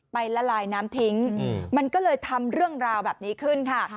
ละลายน้ำทิ้งมันก็เลยทำเรื่องราวแบบนี้ขึ้นค่ะ